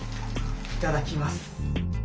いただきます。